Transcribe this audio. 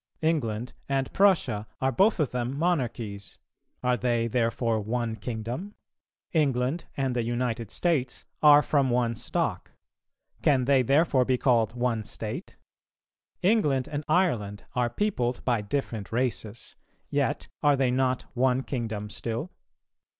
England and Prussia are both of them monarchies; are they therefore one kingdom? England and the United States are from one stock; can they therefore be called one state? England and Ireland are peopled by different races; yet are they not one kingdom still?